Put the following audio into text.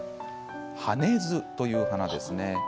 ハネズという花です。